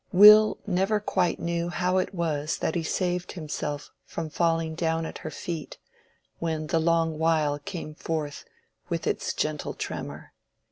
Will never quite knew how it was that he saved himself from falling down at her feet, when the "long while" came forth with its gentle tremor.